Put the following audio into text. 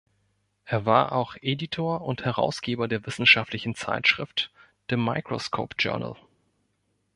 Er war auch Editor und Herausgeber der wissenschaftlichen Zeitschrift The Microscope Journal.